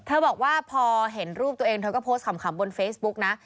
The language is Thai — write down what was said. บอกว่าพอเห็นรูปตัวเองเธอก็โพสต์ขำบนเฟซบุ๊กนะ